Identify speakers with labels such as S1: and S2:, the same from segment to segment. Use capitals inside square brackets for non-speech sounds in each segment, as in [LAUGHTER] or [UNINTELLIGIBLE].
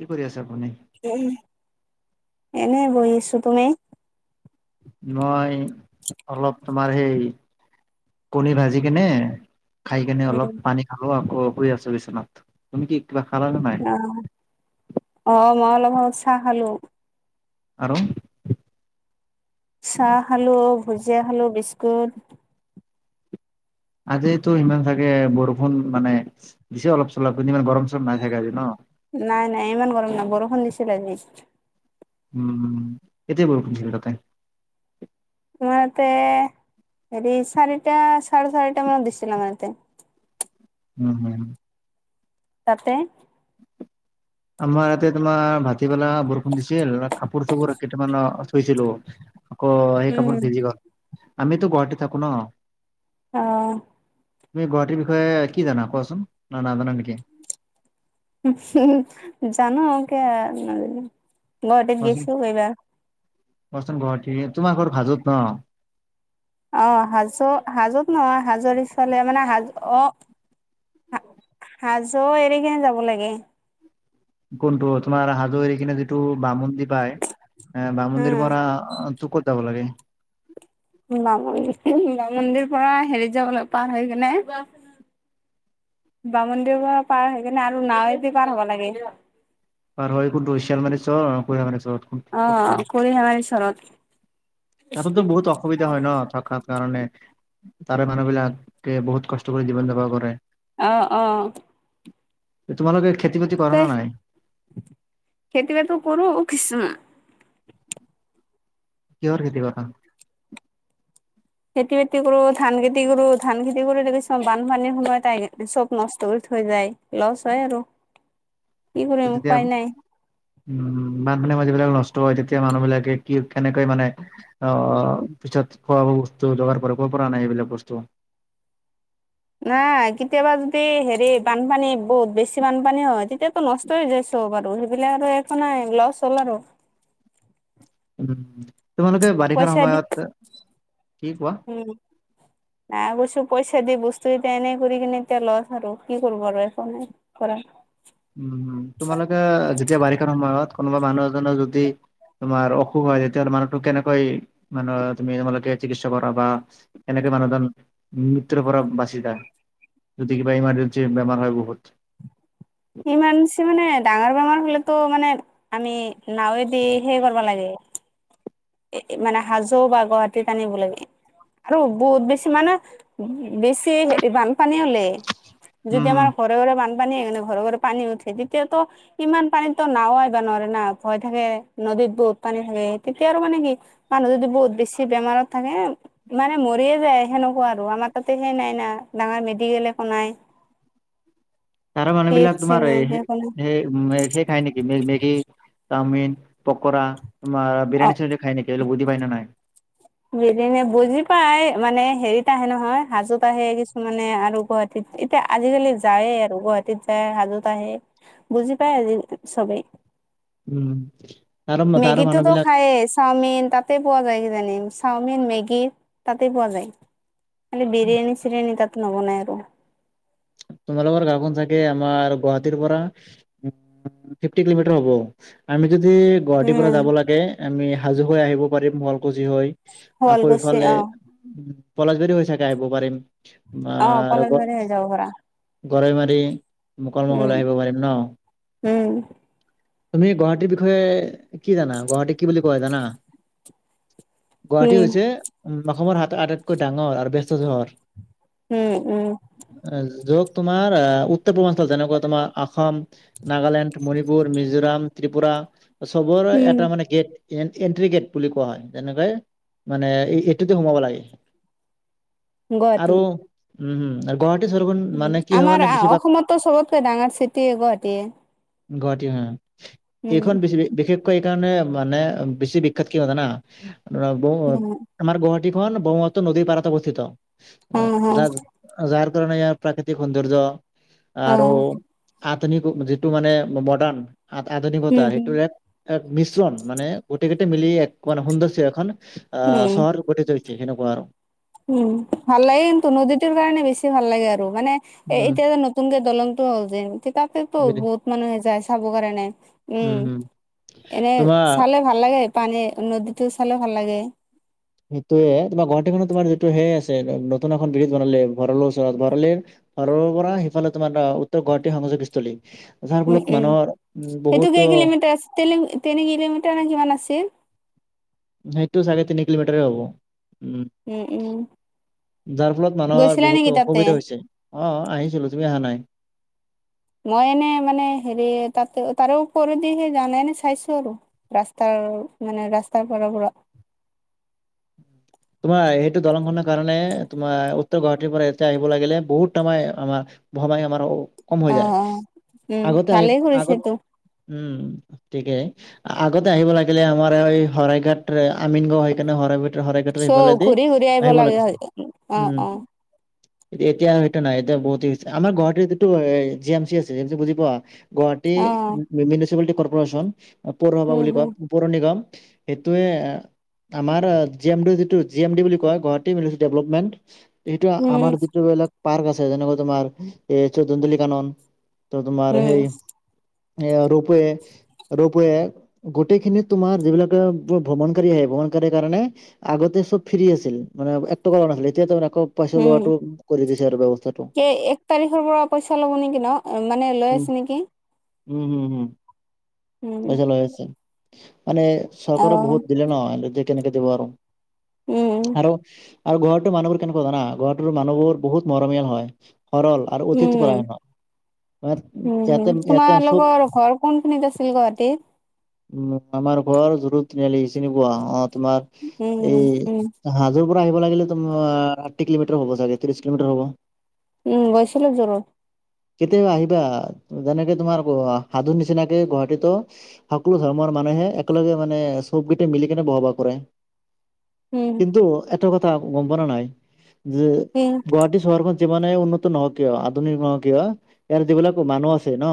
S1: কি কৰি আছে আপুনি?
S2: উম, এনেই বহি আছো, তুমি?
S1: মই অলপ তোমাৰ সেই কণী ভাজি কেনে খাই কেনে অলপ
S2: উম।
S1: পানী খালো আকৌ শুই আছোঁ বিচনাত। তুমি কি কিবা খালা নে নাই?
S2: অ, অ মই অলপমান চাহ খালোঁ।
S1: আৰু?
S2: চাহ খালোঁ, ভুজিয়া খালোঁ, বিস্কুট
S1: আজিতো সিমান চাগে বৰষুণ মানে দিছে অলপ - চলপ ইমান গৰম - চৰম নাই থাকে আজি ন?
S2: নাই নাই ইমান গৰম নাই, বৰষুণ দিছিলে আজি।
S1: উম, কেতিয়া বৰষুণ দিছিলে তাতে?
S2: তোমাৰ ইয়াতে, হেৰি চাৰিটা চাৰে চাৰিটা মানত দিছিল আমাৰ ইয়াতে।
S1: উ হুম হুম।
S2: তাতে।
S1: আমাৰ ইয়াতে তোমাৰ ভাত টিবেলা বৰষুণ দিছিল ৰা কাপোৰ - চাপোৰ কেইটামান থৈছিলো। আকৌ সেই
S2: উম।
S1: কাপোৰ ভিজি গল, আমিতো গুৱাহাটী থাকো ন।
S2: অ।
S1: তুমি গুৱাহাটীৰ বিষয়ে কি জানা কোৱাচোন ন নাজানা নেকি?
S2: উ হুহু, জানো কিয় নাজানিম? গুৱাহাটীত
S1: কোৱাচোন।
S2: গেছো এইবাৰ।
S1: কোৱাচোন গুৱাহাটী, তোমাৰ ঘৰ হাজোত ন?
S2: অ হাজো, হাজোত নহয় হাজোৰ ইফালে মানে হাজ অ হা হাজো এৰি কিনে যাব লাগে।
S1: কোনটো তোমাৰ হাজো এৰি কিনে যিটো বামুন্দি পায়, এ বামুন্দিৰ
S2: উম।
S1: পৰা ক'ত যাব লাগে?
S2: বামুন্দিৰ পৰা হেৰিত যাব লাগে পাৰ হৈ কেনে বামুন্দিৰ পৰা পাৰ হৈ কিনে আৰু নাৱে দি পাৰ হ'ব লাগে।
S1: পাৰ হৈ। [UNINTELLIGIBLE]
S2: অ
S1: পায়
S2: [UNINTELLIGIBLE] চৰত।
S1: তাতেতো বহুত অসুবিধা হয় নহ থকাৰ কাৰণে? তাৰে মানুহ বিলাকে বহুত কষ্ট কৰি জীৱন-যাপন কৰে।
S2: অ, অ।
S1: তোমালোকে খেতি-বাতি
S2: তে
S1: কৰা না নাই?
S2: খেতি বাতি কৰোঁ। [UNINTELLIGIBLE]
S1: কিহৰ খেতি কৰা?
S2: খেতি বাতি কৰোঁ ধান খেতি কৰোঁ, ধান খেতি কৰোঁ [UNINTELLIGIBLE] বানপানীৰ সময়ত আহি চব নষ্ট কৰি থৈ যায়। লছ হয় আৰু। কি কৰিম উপায় নাই
S1: [UNINTELLIGIBLE] উম বানপানীৰ সময়ত যিবিলাক নষ্ট হয় তেতিয়া মানুহ বিলাকে কি কেনেকৈ মানে। অ পিছত খোৱা বস্তু যোগাৰ কৰে কৰ পৰা আনে সেইবিলাক বস্তু?
S2: নাই কেতিয়াবা যদি হেৰি বানপানী বহুত বেছি বানপানী হয় তেতিয়াতো নচ যাই চব বাৰু সেইবিলাক আৰু একো নাই লছ হ'ল আৰু।
S1: [UNINTELLIGIBLE] তোমালোকে বাৰিষাৰ
S2: পইচা দি
S1: সময়ত, কি কোৱা?
S2: উম নাই কৈছো পইচা দি বস্তু এতিয়া এনেই কৰি কিনে এতিয়া লছ আৰু কি কৰিব আৰু একো নাই। কৰা।
S1: উম তোমালোকে যেতিয়া বাৰিষাৰ সময়ত কোনোবা মানুহ এজনৰ যদি। তোমাৰ অসুখ হয় যেতিয়া মানুহটো কেনেকৈ মানে তুমি তোমালোকে চিকিৎসা কৰা বা এনেকে মানুহজন মৃত্যুৰ পৰা বাছি যায়। যদি কিবা ইমাৰ্জেঞ্চি বেমাৰ হয় বহুত।
S2: ইমাৰ্জেঞ্চি মানে ডাঙৰ বেমাৰ হ'লেতো মানে আমি নাওঁৱে দি সেই কৰ্বা লাগে। এ, এ মানে হাজো বা গুৱাহাটীত আনিব লাগে। আৰু বহুত বেছি মানে বেছি বানপানী হ'লে।
S1: উম,
S2: যদি
S1: হুম।
S2: আমাৰ ঘৰে, ঘৰে বানপানী [UNINTELLIGIBLE] ঘৰে, ঘৰে পানী উঠে তেতিয়াতো। ইমান পানীততো নাওঁ আহিব নোৱাৰে না ভয় থাকে নদীত বহুত পানী থাকে। এতিয়া আৰু মানে কি মানুহ যদি বহুত বেছি বেমাৰত থাকে। মানে মৰিয়ে যায় সেনেকুৱা আৰু আমাৰ তাতে সেই নাই না ডাঙৰ মেডিকেল একো নাই।
S1: তাৰে
S2: পি
S1: মানুহ
S2: এইচ
S1: বিলাক
S2: চি
S1: তোমাৰ।
S2: নাই
S1: [UNINTELLIGIBLE]
S2: একো নাই
S1: খায় নেকি মেগি চাওমিন পকোৰা। [UNINTELLIGIBLE]
S2: অ
S1: বিৰিয়ানি চিৰিৱানি খাই নেকি [UNINTELLIGIBLE] বুজি পায় না নাই?
S2: বিৰিয়ানি বুজি পাই মানে হেৰিত আহে নহয় হাজোত আহে কিছুমানে আৰু গুৱাহা এতিয়া আজিকালি যায়ে আৰু গুৱাহাটীত যায় হাজোত আহে। বুজি পাই আজি চবেই।
S1: উম। তাৰ তাৰ
S2: মেগীতো
S1: মানুহ
S2: তো
S1: বিলাক
S2: খায়য়ে। চাওমিন তাতে পোৱা যায় কিজানি চাওমিন মেগী তাতে পোৱা যায়। খালি বিৰিয়ানী চিৰিয়ানী তাত নবনাই আৰু।
S1: তোমালোকৰ গাওঁখন চাগে আমাৰ গুৱাহাটীৰ পৰা। ফিফটি কিলোমিটাৰ হ'ব। আমি যদি গুৱাহাটীৰ পৰা
S2: উম
S1: যাব লাগে আমি হাজো হৈ আহিব পাৰিম শুৱালকুছি হৈ। আকৌ
S2: শুৱালকুছি
S1: ইফালে
S2: অ
S1: উম পলাচবিৰি হৈ চাগে আহিব পাৰিম। মা
S2: অ
S1: ৰোক-
S2: [UNINTELLIGIBLE]
S1: গৰৈ মাৰি [UNINTELLIGIBLE]
S2: উম
S1: আহিব পাৰিম ন।
S2: উম
S1: তুমি গুৱাহাটীৰ বিষয়ে কি জানা গুৱাহাটীক কি বুলি কয় জানা? গুৱাহাটী
S2: উম
S1: হৈছে অসমৰ হাতৰ আটাইতকৈ ডাঙৰ আৰু ব্যস্ত চহৰ।
S2: উম উম'
S1: য'ত তোমাৰ আ উত্তৰ পূৰ্বাঞ্চল যেনেকৈ তোমাৰ অসম, নাগালেণ্ড, মণিপুৰ, - মণিপুৰ, মিজোৰাম, ত্ৰিপুৰা টো চবৰে
S2: উম
S1: এটা মানে গেট- এণ্টি গেট বুলি কোৱা হয়, যেনেকৈ মানে এইটোতে সোমাব লাগে।
S2: গুৱাহাটী
S1: আৰু উম হুম আৰু গুৱাহাটী স্বৰগন-
S2: আমাৰ আ অসমতো চবতকৈ ডাঙৰ চিটি গুৱাহাটীয়ে।
S1: গুৱহাটী উম'
S2: উম
S1: এইখন পৃথিৱী- বিশেষকৈ এইকাৰণে মানে বেছি বিখ্যাত কিয় জানা?
S2: উম
S1: [UNINTELLIGIBLE] আমাৰ গুৱাহাটীখন ব্ৰহ্মপুত্ৰ নদীৰ পাৰত অৱস্থিত। অ‍ঁ
S2: উম হুম
S1: যাৰ- যাৰ কাৰণে ইয়াৰ প্ৰাকৃতিক সৌন্দৰ্য
S2: উম
S1: আৰু- আধুনিক যিটো মানে মডাৰ্ণ
S2: উম
S1: আধুনিকতা
S2: হুম
S1: সেইটো এক- এক মিশ্ৰণ মানে, গোটেইকেইটা মিলি এক মান সৌন্দৰ্য্য এখন আ
S2: উম
S1: চহৰ- প্ৰতিস্থা হৈছে সেনেকুৱা আৰু।
S2: উম' ভাল লাগে কিন্তু, নদীটোৰ কাৰণে বেছি ভাল লাগে আৰু মানে- এ
S1: উম
S2: এতিয়া যে নতুনকে দলংটো হ'ল যে, তাতেতো
S1: বুজি
S2: বহুত মানুহে যায় চাবৰ কাৰণে। উম' এনে
S1: তোমাৰ
S2: চালে ভাল লাগে পানী নদীটো চালে ভাল লাগে।
S1: সেইটোৱে তোমাৰ গুৱাহাটীখনত তোমাৰ যিটো সে আছে নতুন এখন বিৰিজ বনালে ভৰলুৰ ওচৰত ভৰালিৰ- পাৰৰ পৰা সিফালে তোমাৰ উত্তৰ গুৱাহাটী সংযোগীস্থলী। যাৰ
S2: উম
S1: ফলত মানুহৰ বহুতো-
S2: তিলিং তিনি কিলোমিটাৰ নে কিমান আছিল?
S1: সেইটো চাৰে তিনি কিলোমিটাৰে হ'ব। উম'
S2: উম উম
S1: যাৰ ফলত মানুহৰ
S2: গৈছিলা নেকি
S1: বহুতো
S2: তাতে
S1: অসুবিধা হৈছে। অঁ আহিছিলো তুমি অহা নাই।
S2: মই এনে মানে হেৰি তাতে তাৰে ওপ দি সেই যোৱা নাই এনে চাইছো আৰু। ৰাস্তাৰ মানে ৰাস্তাৰ পৰা পৰা।
S1: তোমাৰ সেইটো দলংখনৰ কাৰণে তোমাৰ উত্তৰ গুৱাহাটীৰ পৰা ইয়াতে আহিব লাগিলে বহুত সময় আমাৰ- ভমাই আমাৰ কম হৈ
S2: অ
S1: যায়,
S2: অ উম
S1: আগতে আমি
S2: ভালেই
S1: আগত
S2: কৰিছেতো
S1: উম'- ঠিকে আগতে আহিব লাগিলে আমাৰ এই শৰাইঘাট আমিন গাঁও সেইকাৰণে শৰাই শৰাইঘাট- সেইফালে
S2: চ'
S1: দি
S2: ঘূৰি ঘূৰি
S1: আহিব
S2: লাগে
S1: লাগিছিল।
S2: অ
S1: উম'
S2: অ
S1: এতিয়া সেইটো নাই এতিয়া বহুত হৈছে আমাৰ গুৱাটীত যিটো G A G M C আছে সেইটো বুজি পোৱা। গুৱাহাটী
S2: অ
S1: মিউনিচিপালিটি কৰ্প'ৰেচন পৌৰসভা
S2: উম
S1: বুলি কয়।
S2: হম
S1: পৰ নিগম সেইটোৱে আমাৰ জি এম ডিজিত- জি এম ডি বুলি কয় গুৱাহাটী মিলিচি ডেভপমেন্ট, সেইটোৱে
S2: উম
S1: আমাৰ যিটো ধৰিলক- পাৰ্ক আছে যেনেকৈ তোমাৰ এই চৈতুন্দুলী কানন, ত তোমাৰ
S2: উম
S1: সেই- এ ৰোপে ৰোপুৱে- গোটেইখিনিত তোমাৰ যিবিলাকে তোমাৰ ভ্ৰমণকাৰী আহে ভ্ৰমণকাৰীৰ কাৰণে আগতে- চব ফ্ৰ্ৰী আছিল মানে একটকাও নাছিলে এতিয়া তাৰ মানে আকৌ পইচা
S2: উম
S1: লোৱাটো কৰি দিছে আৰু বৱস্থাটো।
S2: কে এক তাৰিখৰ পৰা পইচা ল'ব নেকি ন' মানে লৈ
S1: উম,
S2: আছে নেকি।
S1: উম হুম হুম'
S2: উম
S1: পইচা লৈ আছে মানে-
S2: অ
S1: চৰকাৰে বহুত দিলে ন' আৰু এতিয়া কেনেকে দিব আৰু,
S2: উম
S1: আৰু আৰু ঘৰটোৰ মানুহবোৰ কেনেকুৱা জানা, ঘৰটোৰ মানুহবোৰ বহুত মৰমীয়াল হয়, সৰল আৰু অথিতি পৰায়ণ
S2: উম
S1: হয়। মানে
S2: উম, হুম,
S1: ইয়াতে ইয়াতে চব
S2: তোমালোকৰ ঘৰ কোন খিনিত আছিল গুৱাহাটীত?
S1: উম, আমাৰ ঘৰ জোৰ তিনিআলি চিনি পোৱা অ', তোমাৰ
S2: উম উম
S1: এই হাজোৰ পৰা আহিব লাগিলে, তোমাত ষাঠি কিলোমিটাৰ হ'ব চাগে, ত্ৰিশ কিলোমিটাৰ হ'ব।
S2: উম, গৈছিলোঁ জোৰু।
S1: [UNINTELLIGIBLE] আহিবা, যেনেকে তোমাৰ হাজোৰ নিচিনাকে গুৱাহাটীতো সকলো ধৰ্মৰ মানুহে একেলগে মানে চব গিটাই তে মিলি কেনে বসবাস কৰে।
S2: উম
S1: কিন্তু এটা কথা গম পৰা নাই যে
S2: উম।
S1: গুৱাহাটী চহৰখন যিমানে উন্নত নহওঁ কিয়, আধুনিক নহওঁক কিয়, ইয়াৰ যিবিলাক মানুহ আছে ন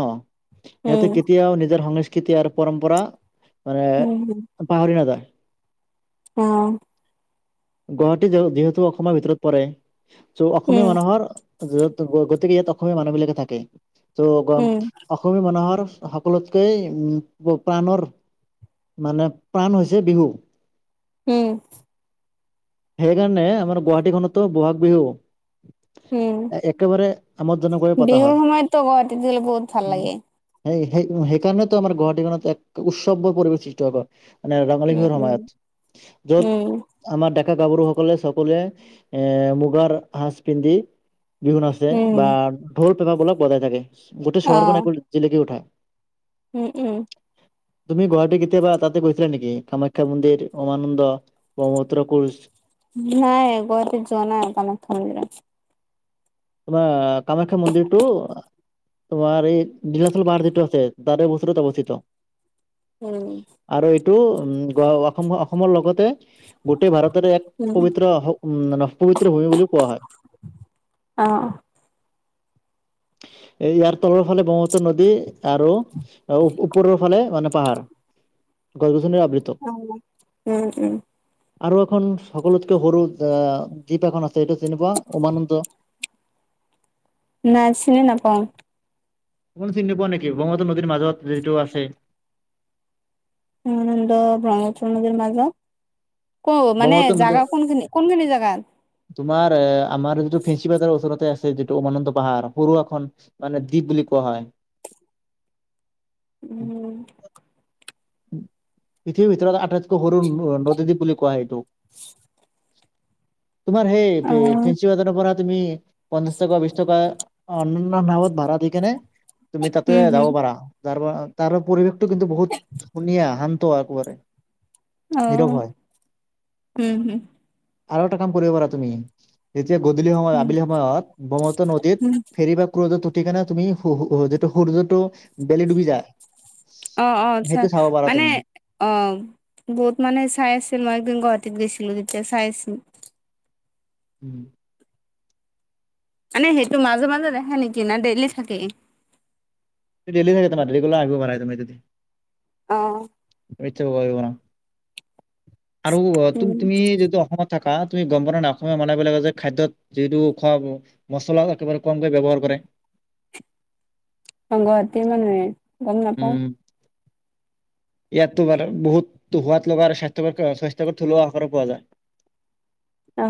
S1: সিহঁতে
S2: উম
S1: কেতিয়াও নিজৰ সংস্কৃতি আৰু পৰম্পৰা মানে
S2: উম
S1: পাহৰি নাযায়।
S2: অ'।
S1: গুৱাহাটী যিহেতু অসমৰ ভিতৰত পৰে। ত' অসমীয়া
S2: উম
S1: মানুহৰ, গতিকে ইয়াত অসমীয়া মানুহবিলাকে থাকে। ত' গম
S2: উম
S1: অসমীয়া মানুহৰ সকলোতকৈ উম, প্ৰাণৰ মানে প্ৰাণ হৈছে বিহু।
S2: উম।
S1: সেইকাৰণে আমাৰ গুৱাহাটীখনতো বহা'গ
S2: উম
S1: বিহু একেবাৰে আমোদজনক ভাবে পতা হয়।
S2: গুৱাহাটী দিলে বহুত ভাল লাগে।
S1: সেই-সেই-সেইকাৰণেতো আমাৰ গুৱাহাটীখনত এক উৎসৱৰ পৰিৱেশ সৃষ্টি হয়, কৰে। নে ৰঙালী
S2: উম
S1: বিহুৰ
S2: উম
S1: সময়ত
S2: উম,
S1: য'ত আমাৰ ডেকা গাভৰু সকলে, সকলোৱে এ, মুগাৰ সাঁজ পিন্ধি বিহু নাচে
S2: উম,
S1: বা ঢৌল পেপাবোৰক অলপ বজাই থাকে। গোটেই চহৰখন
S2: অ',
S1: একো জিলকি উঠায়।
S2: উম, উম।
S1: তুমি গুৱাহাটী কেতিয়াবা তাতে গৈছিলা নেকি? কামাখ্যা মন্দিৰ, উমানন্দ? সমুদ্ৰ পুৰোষ?
S2: নাই, গৈ যোৱা নাই, [UNINTELLIGIBLE] ত।
S1: আপোনাৰ কামাখ্যা মন্দিৰটো তোমাৰ এই নীলাচল পাহাৰ যিটো আছে, তাৰে ওচৰত অৱস্থিত।
S2: উম।
S1: আৰু এইটো উম, অসম, অসমৰ লগতে গোটেই ভাৰতৰে এক
S2: উম,
S1: পবিত্ৰ উম, নৱ পৱিত্ৰ ভূমি বুলিও কোৱা হয়।
S2: অ'।
S1: এ, ইয়াৰ তলৰ ফালে ব্ৰহ্মপুত্ৰ নদী আৰু ওপৰৰ ফালে মানে পাহাৰ। গছ গছনিৰে আবৃত্ত
S2: অ', উম, উম।
S1: আৰু এখন সকলোতকৈ সৰু দ্বীপ এখন আছে, এইটো চিনি পোৱা উমানন্দ?
S2: নাই, চিনি নাপাওঁ।
S1: [UNINTELLIGIBLE] চিনি নোপোৱা নেকি, ব্ৰহ্মপুত্ৰ নদীৰ মাজত যিটো আছে!
S2: উমানন্দ ব্ৰহ্মপুত্ৰ নদীৰ মাজত, ক'ত মানে
S1: ব্ৰহ্মপুত্ৰ নদীৰ
S2: জাগা কোনখিনি? কোনখিনি জাগাত?
S1: তোমাৰ আমাৰ যিটো ফেঞ্চি বাজাৰৰ ওচৰতে আছে, যিটো উমানন্দ পাহাৰ সৰু এখন মানে দ্বীপ বুলি কোৱা হয়।
S2: উম।
S1: এতিয়াও ভিতৰত আটাইতকৈ সৰু নদীদ্বীপ বুলি কোৱা হয় এইটো। তোমাৰ হেই
S2: অ',
S1: ফেঞ্চি বাজাৰৰ পৰা তুমি পঞ্চাছ টকা বিশছ টকা অনুনত ভাৰাত দি কেনে তুমি তাতে
S2: উম, হম,
S1: যাব পাৰা তাৰ তাৰ পৰিৱেশটো কিন্তু বহুত ধুনীয়া শান্ত একেবাৰে।
S2: অ উম হম।
S1: আৰু এটা কাম কৰিব পাৰা তুমি যেতিয়া গধূলি সময়ত
S2: উম,
S1: আবেলি সময়ত ব্ৰহ্মপুত্ৰ নদীত
S2: হম,
S1: ফেৰী বা ক্ৰুজত উঠি কেনে তুমি সু সু যিটো সূৰ্যটো বেলি ডুবি যায়
S2: অ অ আটচা
S1: সেইটো চাব পাৰা
S2: মানে
S1: তুমি
S2: অ বহুত মানুহে চাই আছিল মই একদিন গুৱাহাটীত গৈছিলো তেতিয়া চাই আছিল।
S1: উম।
S2: মানে সেইটো মাজে মাজে দেখাই নেকি না ডেইলি থাকেই?
S1: ডেইলী থাকেই তোমাৰ ৰেগুলাৰ আহিব পাৰা তুমি তাতে
S2: অ',
S1: [UNINTELLIGIBLE] আৰু
S2: উম।
S1: তু-তুমি যিহেটো অসমত থাক হা তুমি গম পোৱা নে নাই অসমীয়া মানুহবিলাকে যে খাদ্যত যিহেতু খোৱা মছলা একেবাৰে কমকৈ ব্যৱহাৰ কৰে।
S2: অ গুৱাহাটীৰ মানুহে, গম নাপাওঁ।
S1: ইয়াত তোমাৰ বহুত সোৱাদ লগা স্বাস্থ্য স্বাস্থ্য থলুৱা আহাৰো পোৱা যায়।
S2: অ।